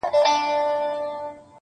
سل غلامه په خدمت کي سل مینځیاني!.